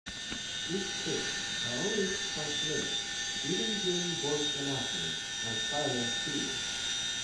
These ticks are always transmitted, even during voice announcements and silent periods.